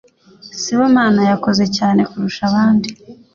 Sibomana yakoze cyane kurusha abandi.